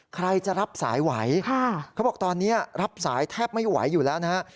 ใครจะรับสายไหวเขาบอกตอนนี้รับสายแทบไม่ไหวอยู่แล้วนะฮะ